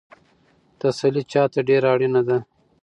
تسلي چا ته ډېره اړینه ده؟